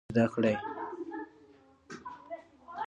لومړی یې ومنئ او دوهم له هغې زده کړئ.